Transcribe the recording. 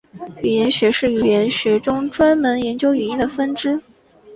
语音学是语言学中专门研究语音的分支。